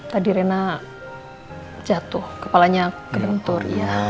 tadi rena jatuh kepalanya kebentur